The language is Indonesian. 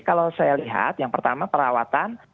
kalau saya lihat yang pertama perawatan